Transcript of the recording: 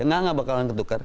nggak nggak bakalan tertukar